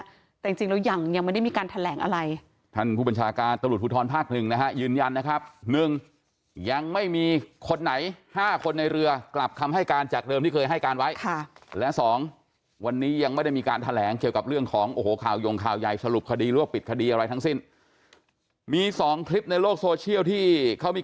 แต่จริงจริงแล้วยังยังไม่ได้มีการแถลงอะไรท่านผู้บัญชาการตำรวจภูทรภาคหนึ่งนะฮะยืนยันนะครับหนึ่งยังไม่มีคนไหนห้าคนในเรือกลับคำให้การจากเดิมที่เคยให้การไว้ค่ะและสองวันนี้ยังไม่ได้มีการแถลงเกี่ยวกับเรื่องของโอ้โหข่าวยงข่าวใหญ่สรุปคดีหรือว่าปิดคดีอะไรทั้งสิ้นมีสองคลิปในโลกโซเชียลที่เขามี